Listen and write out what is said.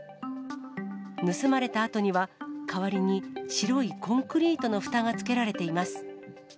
盗まれたあとには、代わりに白いコンクリートのふたがつけられています。